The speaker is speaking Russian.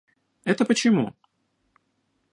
Это почему?